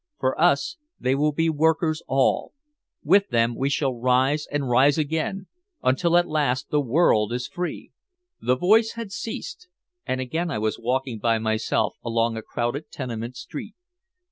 For us they will be workers all. With them we shall rise and rise again until at last the world is free!" The voice had ceased and again I was walking by myself along a crowded tenement street.